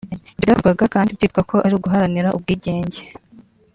ibyo byakorwaga kandi byitwa ko ari uguharanira ubwigenge